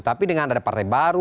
tapi dengan ada partai baru